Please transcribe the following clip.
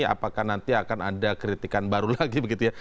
apakah nanti akan ada kritikan baru lagi begitu ya